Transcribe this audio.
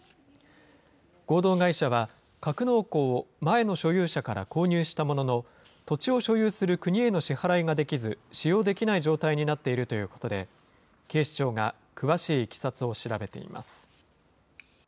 合同会社は、格納庫を前の所有者から購入したものの、土地を所有する国への支払いができず、使用できない状態になっているということで、警視庁が詳しいいきさつを調べています。